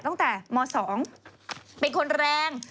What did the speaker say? ตั้งแต่ม๒เป็นคนแรง